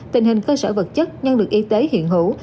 tình hình cơ sở vật chất nhân lực y tế hiện hữu